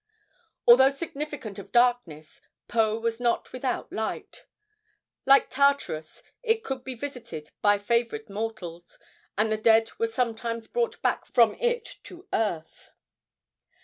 Although significant of darkness, Po was not without light. Like Tartarus, it could be visited by favored mortals, and the dead were sometimes brought back from it to earth.